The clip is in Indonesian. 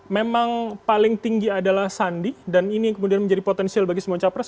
memang paling tinggi adalah sandi dan ini yang kemudian menjadi potensial bagi semua capres